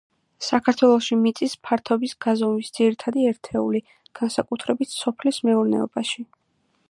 საქართველოში მიწის ფართობის გაზომვის ძირითადი ერთეული, განსაკუთრებით სოფლის მეურნეობაში.